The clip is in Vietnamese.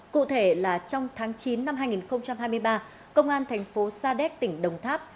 cụ thể là trong tháng chín năm hai nghìn hai mươi ba công an thành phố sa đéc tỉnh đồng tháp